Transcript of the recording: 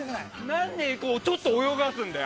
何でちょっと泳がすんだよ。